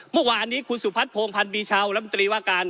เมื่อวานนี้คุณสุพัฒนภงพันธ์บีชาวรัฐมนตรีว่าการ